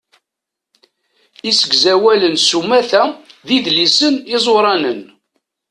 Isegzawalen s umata d idlisen izuranen.